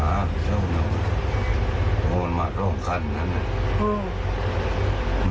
อ้าวเจ้าน้องมันมาร่องคันอ่ะเนี่ย